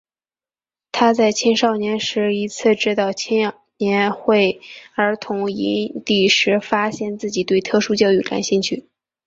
他在青少年时一次指导青年会儿童营地时发现自己对特殊教育感兴趣。